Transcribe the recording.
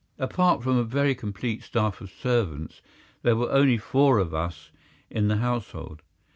Apart from a very complete staff of servants there were only four of us in the household.